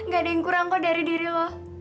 gak ada yang kurang kok dari diri lo